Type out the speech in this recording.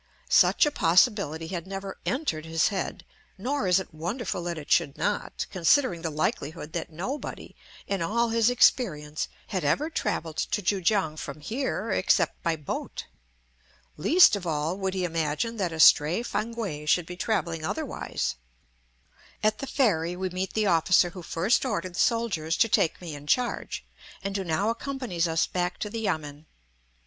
Such a possibility had never entered his head; nor is it wonderful that it should not, considering the likelihood that nobody, in all his experience, had ever travelled to Kui kiang from here except by boat. Least of all would he imagine that a stray Fankwae should be travelling otherwise. At the ferry we meet the officer who first ordered the soldiers to take me in charge, and who now accompanies us back to the yamen.